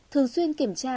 thường xuyên kiểm tra